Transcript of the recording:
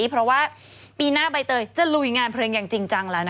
เพราะว่าปีหน้าใบเตยจะลุยงานเพลงอย่างจริงจังแล้วนะคะ